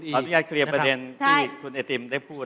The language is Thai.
ขอเคลียร์ประเด็นที่คุณเอติมได้พูด